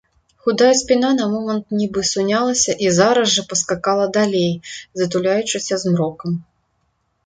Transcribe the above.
Худая спіна на момант нібы сунялася і зараз жа паскакала далей, затуляючыся змрокам.